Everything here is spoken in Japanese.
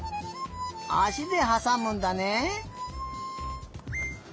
あしではさむんだね。